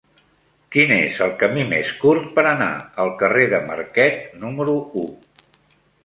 Quin és el camí més curt per anar al carrer de Marquet número u?